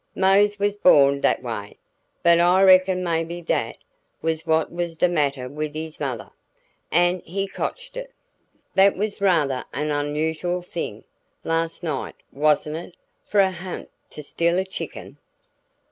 "Mose was bawn dat way, but I reckon maybe dat was what was de matter wid his mudder, an' he cotched it." "That was rather an unusual thing, last night, wasn't it, for a ha'nt to steal a chicken?"